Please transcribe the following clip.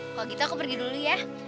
kalau gitu aku pergi dulu ya